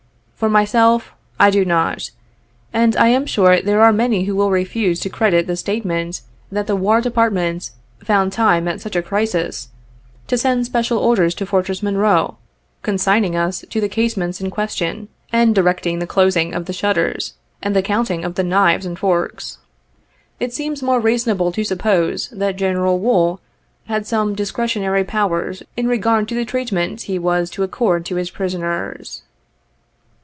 For myself, I do not ; and I am sure there are many who will refuse to credit the statement that the War Department found time at such a crisis, to send special orders to Fortress Monroe, consigning us to the casemates in question, and directing the closing of the shutters, and the counting of the knives and forks. It seems more reasonable to suppose that General W t ool had some discretionary powers in regard to the treatment he was to accord to his prisoners.